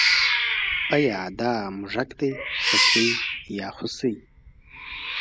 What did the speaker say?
ایا دا موږک دی که سوی یا هوسۍ